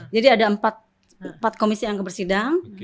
jadi ada empat komisi yang kebersidang